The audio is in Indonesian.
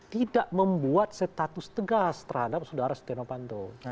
tidak membuat status tegas terhadap sudara steno panto